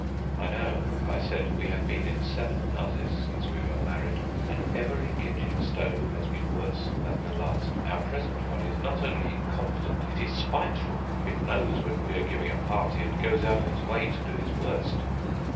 "I know," I said. "We have been in seven houses since we were married, and every kitchen stove has been worse than the last. Our present one is not only incompetent; it is spiteful. It knows when we are giving a party, and goes out of its way to do its worst."